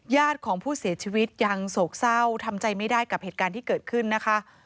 ญาติของผู้เสียชีวิตยังโศกเศร้าทำใจไม่ได้กับเหตุการณ์ที่เกิดขึ้นนะคะ